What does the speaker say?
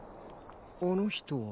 あの人は。